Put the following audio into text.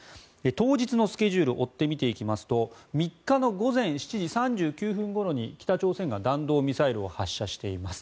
当日のスケジュールを追ってみていきますと３日の午前７時３９分ごろに北朝鮮が弾道ミサイルを発射しています。